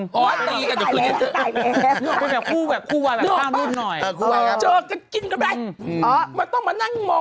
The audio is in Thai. ผมไม่ได้จับภูตกับพี่พจน์อนอร์น